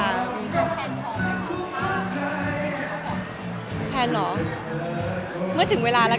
แล้วแฟนพร้อมหรือไม่พร้อมหรือ